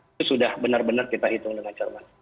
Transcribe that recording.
itu sudah benar benar kita hitung dengan cermat